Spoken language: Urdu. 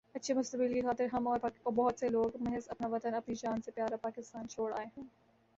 اچھے مستقبل کی خاطر ہم اور بہت سے لوگ محض اپنا وطن اپنی جان سے پیا را پاکستان چھوڑ آئے ہیں